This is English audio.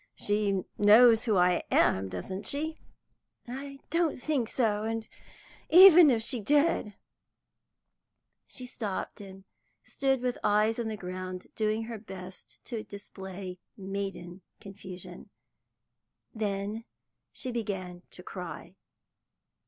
She knows who I am, doesn't she?" "I don't think so, and, even if she did " She stopped, and stood with eyes on the ground, doing her best to display maiden confusion. Then she began to cry.